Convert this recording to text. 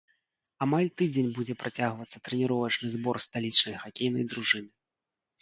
Амаль тыдзень будзе працягвацца трэніровачны збор сталічнай хакейнай дружыны.